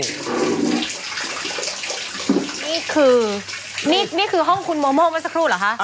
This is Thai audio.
นี่คือนี่คือห้องคุณโมโมไว้สักครู่หรือคะ